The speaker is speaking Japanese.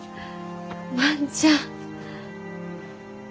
万ちゃん！